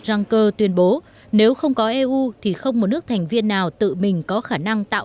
juncker tuyên bố nếu không có eu thì không một nước thành viên nào tự mình có khả năng tạo